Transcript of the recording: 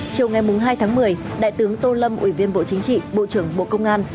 chiều ngày hai tháng một mươi đại tướng tô lâm ủy viên bộ chính trị bộ trưởng bộ công an